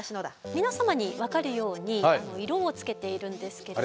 皆様に分かるように色をつけているんですけれども。